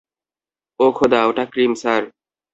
ও খোদা, ওটা cream, sir!